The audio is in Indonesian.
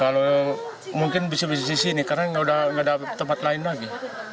kalau mungkin bisa bisa di sini karena udah ada tempat lain lagi